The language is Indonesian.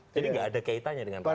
jadi gak ada kaitannya dengan hoax